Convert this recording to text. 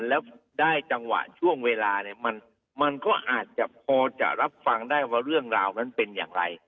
แล้วได้จังหวะช่วงเวลาเนี่ยมันก็อาจจะพอจะรับฟังได้ว่าเรื่องราวนั้นเป็นอย่างไร